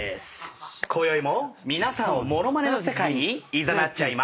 こよいも皆さんを物まねの世界にいざなっちゃいま。